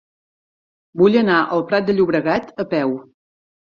Vull anar al Prat de Llobregat a peu.